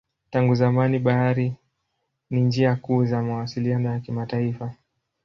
Tangu zamani bahari ni njia kuu za mawasiliano ya kimataifa.